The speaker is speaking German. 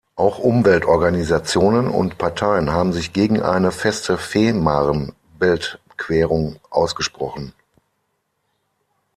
Auch Umweltorganisationen und -parteien haben sich gegen eine feste Fehmarnbeltquerung ausgesprochen.